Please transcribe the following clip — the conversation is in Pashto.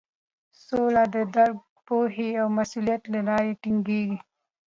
سوله د درک، پوهې او مسولیت له لارې ټینګیږي.